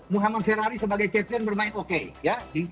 muhammad ferrari sebagai captain bermain oke ya